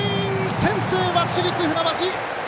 先制は市立船橋！